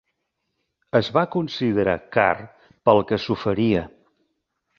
Es va considerar car pel que s'oferia.